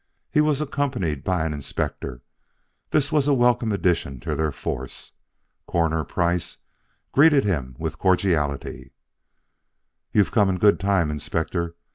He was accompanied by an inspector. This was a welcome addition to their force. Coroner Price greeted him with cordiality: "You've come in good time, Inspector.